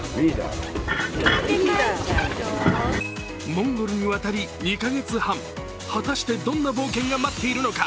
モンゴルに渡り２カ月半、果たしてどんな冒険が待っているのか。